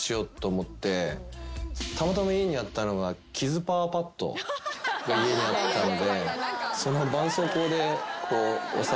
たまたま家にあったのがキズパワーパッドが家にあったんで。